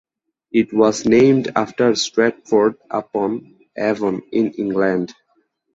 It was named after Stratford-upon-Avon, in England.